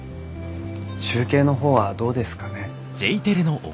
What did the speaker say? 中継の方はどうですかね？